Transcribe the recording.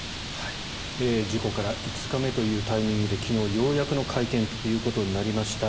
事故から５日目というタイミングで昨日、ようやくの会見ということになりました。